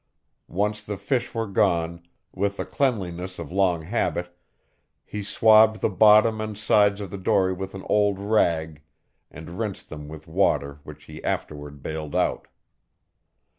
Once the fish were gone, with the cleanliness of long habit, he swabbed the bottom and sides of the dory with an old rag and rinsed them with water which he afterward bailed out.